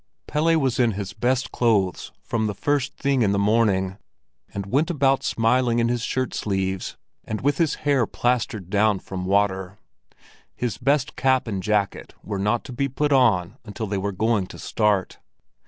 Pelle was in his best clothes from the first thing in the morning, and went about smiling in his shirt sleeves and with his hair plastered down with water; his best cap and jacket were not to be put on until they were going to start.